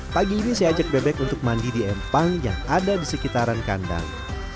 pagi ini saya ajak bebek untuk mandi di empang yang ada di sekitaran kandang